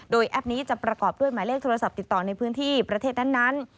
โดยแอปนี้จะประกอบด้วยหมายเลขโทรศัพท์ติดต่อในพื้นที่ประเทศนั้น